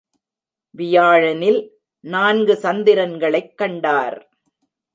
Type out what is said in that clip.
வியாழனில் நான்கு சந்திரன்களைக் கண்டார்!